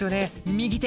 右手。